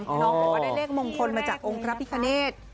น้องบอกว่าได้เลขมงคลมาจากองค์พระพิคเนธ